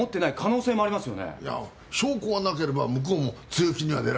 いや証拠がなければ向こうも強気には出られません。